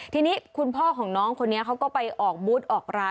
ทีนี้คุณพ่อของน้องคนนี้เขาก็ไปออกบูธออกร้าน